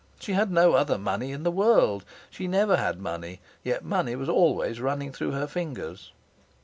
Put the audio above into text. She had no other money in the world. She never had money, yet money was always running through her fingers.